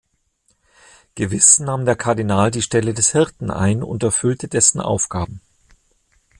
Gewiß nahm der Kardinal die Stelle des Hirten ein und erfüllte dessen Aufgaben.